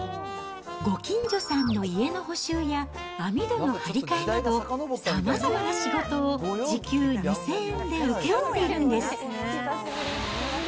ご近所さんの家の補修や網戸の張り替えなど、さまざまな仕事を時給２０００円で請け負っているんです。